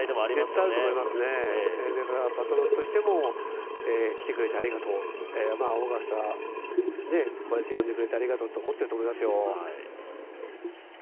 絶対あると思いますね、パトロンとしても来てくれてありがとう、オーガスタ、こうやって呼んでくれてありがとうと思ってると思いますよ。